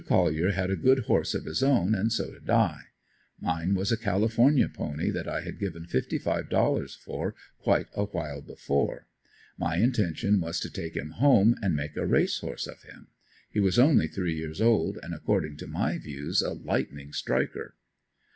Collier had a good horse of his own and so did I; mine was a California pony that I had given fifty five dollars for quite awhile before. My intention was to take him home and make a race horse of him; he was only three years old and according to my views a "lightning striker."